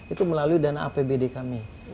itu melalui dana apbd kami